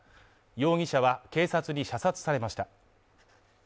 容疑者は警察に射殺されました。